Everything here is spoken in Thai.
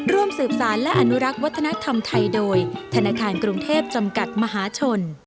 ร่วมสืบสารและอนุรักษ์วัฒนธรรมไทยโดยธนาคารกรุงเทพจำกัดมหาชน